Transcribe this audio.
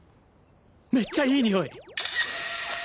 めっちゃいいにおい！